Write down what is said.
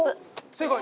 正解！